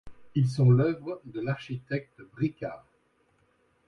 Ils sont l'œuvre de l'architecte Bricard.